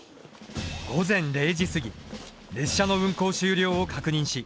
午前０時過ぎ列車の運行終了を確認し